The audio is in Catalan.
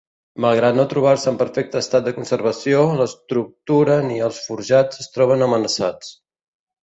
Malgrat no trobar-se en perfecte estat de conservació, l'estructura ni els forjats es troben amenaçats.